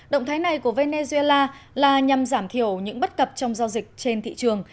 động thái này của venezuela là nhằm giảm thiểu những bất cập trong giao dịch trên thị trường